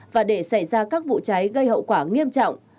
và để xảy ra các vụ cháy gây hậu quả nghiêm trọng